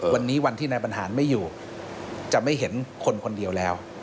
วันนี้วันที่นายบรรหารไม่อยู่จะไม่เห็นคนคนเดียวแล้ว